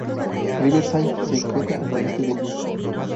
Riverside se encuentra al noroeste de Mist.